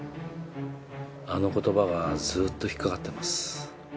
あの言葉はずっと引っかかってます。